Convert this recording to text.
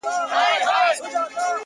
• پټیږي که امي دی که مُلا په کرنتین کي,